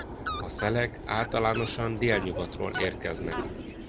A szelek általánosan délnyugatról érkeznek.